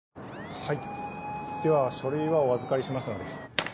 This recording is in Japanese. はいでは書類はお預かりしますので。